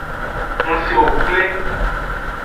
Ngsewo pleng.